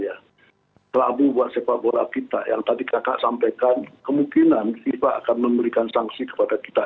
kita telah berkembang ke sepak bola kita yang tadi kakak sampaikan kemungkinan fifa akan memberikan sanksi kepada kita